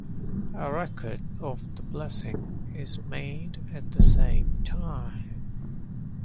A record of the blessing is made at the same time.